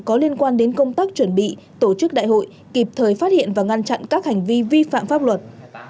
có liên quan đến công tác chuẩn bị tổ chức đại hội kịp thời phát hiện và ngăn chặn các hành vi vi phạm pháp luật